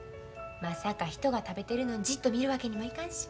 まさか人が食べてるのんじっと見るわけにもいかんし。